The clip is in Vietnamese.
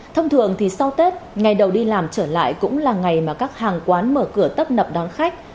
thông thường thì sau tết ngày đầu đi làm trở lại cũng là ngày mà các hàng quán mở cửa tấp nập đón khách